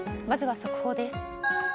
まずは速報です。